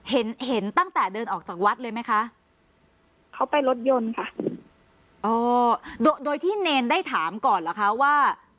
เห็นเห็นตั้งแต่เดินออกจากวัดเลยไหมคะเขาไปรถยนต์ค่ะอ๋อโดยโดยที่เนรได้ถามก่อนเหรอคะว่า